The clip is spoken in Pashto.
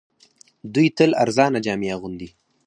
دوی تل ارزانه جامې اغوندي